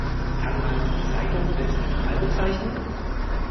Kann man die Zeitung als neutral bezeichnen?